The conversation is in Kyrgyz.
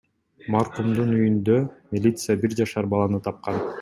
Маркумдун үйүндө милиция бир жашар баланы тапкан.